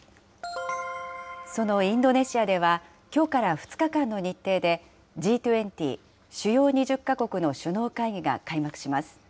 そのインドネシアでは、きょうから２日間の日程で、Ｇ２０・主要２０か国の首脳会議が開幕します。